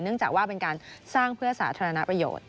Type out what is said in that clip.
จากว่าเป็นการสร้างเพื่อสาธารณประโยชน์